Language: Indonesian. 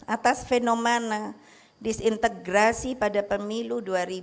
atas fenomena disintegrasi pada pemilu dua ribu sembilan belas